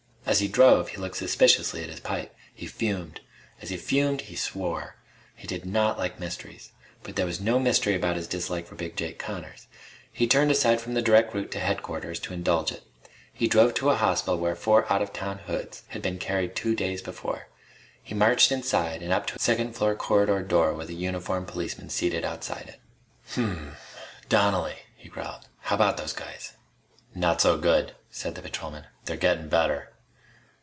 As he drove, he looked suspiciously at his pipe. He fumed. As he fumed, he swore. He did not like mysteries. But there was no mystery about his dislike for Big Jake Connors. He turned aside from the direct route to Headquarters to indulge it. He drove to a hospital where four out of town hoods had been carried two days before. He marched inside and up to a second floor corridor door with a uniformed policeman seated outside it. "Hm m m. Donnelly," he growled. "How about those guys?" "Not so good," said the patrolman. "They're gettin' better."